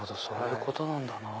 そういうことなんだ。